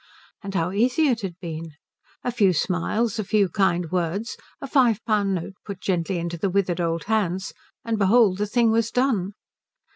And how easy it had been! A few smiles, a few kind words, a five pound note put gently into the withered old hands, and behold the thing was done.